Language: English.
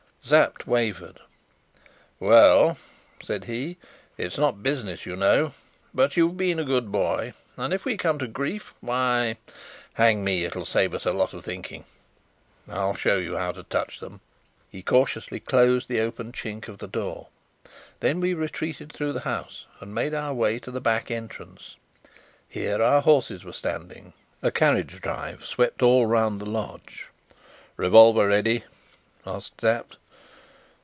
Sapt wavered. "Well," said he, "it's not business, you know; but you've been a good boy and if we come to grief, why, hang me, it'll save us lot of thinking! I'll show you how to touch them." He cautiously closed the open chink of the door. Then we retreated through the house and made our way to the back entrance. Here our horses were standing. A carriage drive swept all round the lodge. "Revolver ready?" asked Sapt.